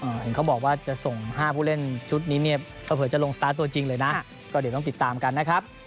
เห็นเขาบอกว่าจะส่ง๕ผู้เล่นชุดนี้เนี่ยเผลอจะลงสตาร์ทตัวจริงเลยนะก็เดี๋ยวต้องติดตามกันนะครับ